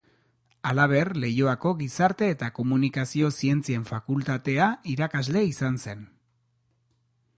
Halaber, Leioako Gizarte eta Komunikazio Zientzien Fakultatea irakasle izan zen.